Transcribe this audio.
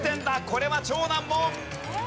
これは超難問。